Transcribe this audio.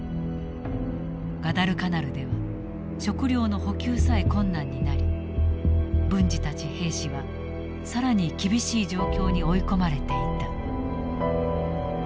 ガダルカナルでは食料の補給さえ困難になり文次たち兵士は更に厳しい状況に追い込まれていた。